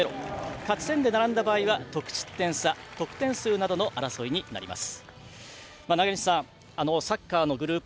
勝ち点で並んだ場合は得失点差得点数などの争いになります。